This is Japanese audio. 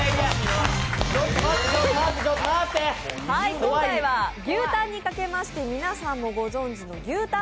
今回は牛タンにかけまして皆さんもご存じの牛タン